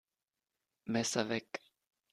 Messer weg!